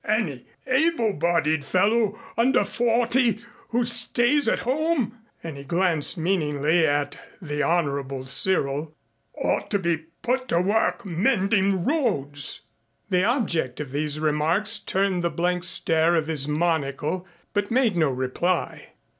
Any able bodied fellow under forty who stays at home" and he glanced meaningly at the Honorable Cyril "ought to be put to work mending roads." The object of these remarks turned the blank stare of his monocle but made no reply.